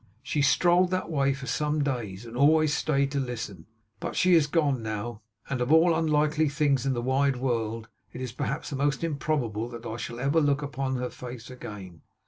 She strolled that way for some days, and always stayed to listen. But she is gone now, and of all unlikely things in this wide world, it is perhaps the most improbable that I shall ever look upon her face again.